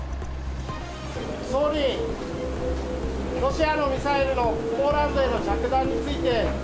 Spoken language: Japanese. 総理、ロシアのミサイルのポーランドへの着弾について。